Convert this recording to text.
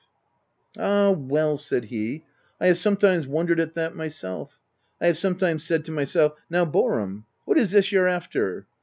294 THE TENANT "Ah, well V 9 said he — "I have sometimes wondered at that myself. I have sometimes said to myself, 6 Now Boarham, what is this you're after?